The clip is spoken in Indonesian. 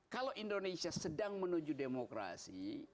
kalau indonesia sedang menuju demokrasi